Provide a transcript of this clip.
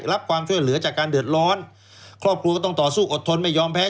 รับความช่วยเหลือจากการเดือดร้อนครอบครัวก็ต้องต่อสู้อดทนไม่ยอมแพ้